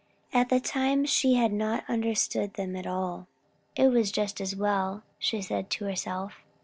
At the time she had not understood them at all. It was just as well! she said to herself.